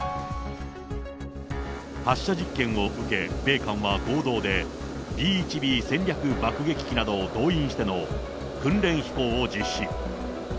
発射実験を受け、米韓は合同で、Ｂ１Ｂ戦略爆撃機などを動員しての訓練飛行を実施。